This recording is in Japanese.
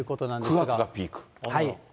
９月がピーク。